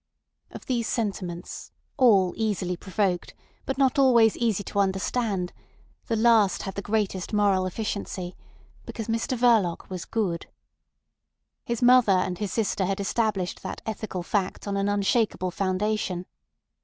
Of these sentiments, all easily provoked, but not always easy to understand, the last had the greatest moral efficiency—because Mr Verloc was good. His mother and his sister had established that ethical fact on an unshakable foundation.